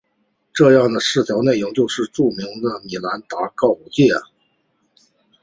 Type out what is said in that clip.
这样的四条内容就是著名的米兰达告诫。